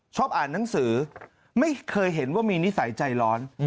ชอบอ่านหนังสือไม่เคยเห็นว่ามีนิสัยใจร้อน